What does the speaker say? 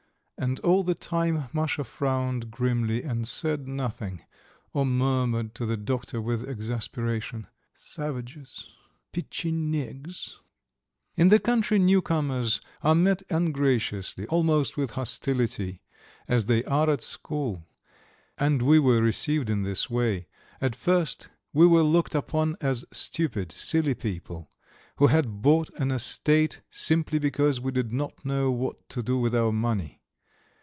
And all the time Masha frowned grimly and said nothing, or murmured to the doctor with exasperation: "Savages! Petchenyegs!" In the country newcomers are met ungraciously, almost with hostility, as they are at school. And we were received in this way. At first we were looked upon as stupid, silly people, who had bought an estate simply because we did not know what to do with our money.